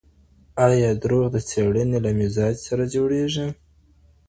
ایا درواغ د څېړنې له مزاج سره جوړیږي؟